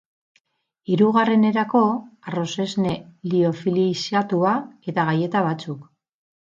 Hirugarrenerako, arrozesne liofilizatua eta galleta batzuk.